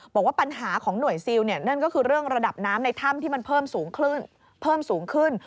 บอกว่าปัญหาของหน่วยซิลนั่นก็คือเรื่องระดับน้ำในถ้ำที่มันเพิ่มสูงขึ้น